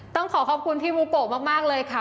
ต้องขอขอบคุณพี่บูโกมากเลยค่ะ